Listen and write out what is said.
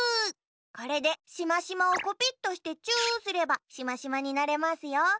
これでしましまをコピットしてチューすればしましまになれますよ。